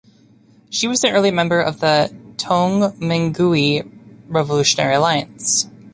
She was an early member of the Tongmenghui (Revolutionary Alliance).